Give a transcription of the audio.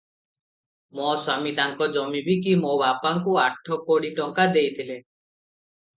ମୋ ସ୍ୱାମୀ ତାଙ୍କ ଜମି ବିକି ମୋ ବାପାଙ୍କୁ ଆଠ କୋଡ଼ି ଟଙ୍କା ଦେଇଥିଲେ ।